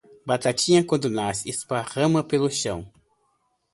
Batatinha quando nasce espalhar a rama pelo chao